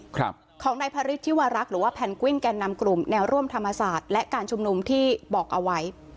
ของนายพระฤทธิวารักษ์หรือว่าแพนกวินแก่นำกลุ่มแนวร่วมธรรมศาสตร์และการชุมนุมที่บอกเอาไว้